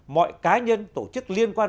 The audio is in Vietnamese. mọi cá nhân tổ chức liên quan